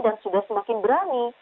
dan sudah semakin berani